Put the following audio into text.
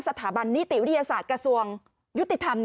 สถาบันนิติวิทยาศาสตร์กระทรวงยุติธรรม